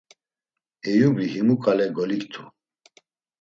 Eyubi himu ǩale goliktu.